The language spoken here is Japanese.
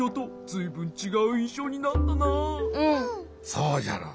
そうじゃろ。